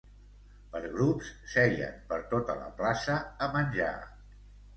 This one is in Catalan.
Per grups, seien per tota la plaça, a menjar.